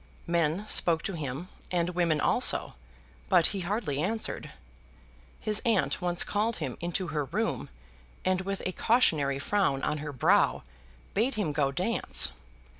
Men spoke to him, and women also, but he hardly answered. His aunt once called him into her room, and with a cautionary frown on her brow, bade him go dance.